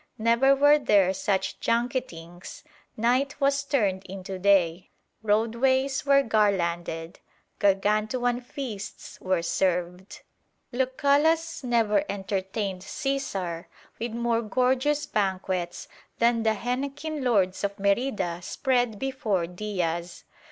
Never were there such junketings: night was turned into day; roadways were garlanded; gargantuan feasts were served. Lucullus never entertained Caesar with more gorgeous banquets than the henequen lords of Merida spread before Diaz.